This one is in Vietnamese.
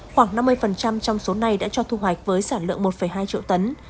khoảng năm mươi trong số này đã cho thu hoạch với sản lượng một hai triệu tấn